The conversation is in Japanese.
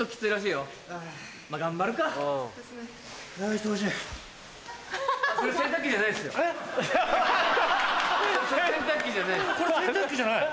これ洗濯機じゃないの？